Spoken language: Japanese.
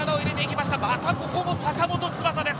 またここも坂本翼です。